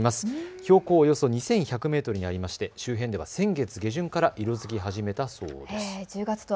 標高およそ２１００メートルにあり周辺では先月下旬から色づき始めたそうです。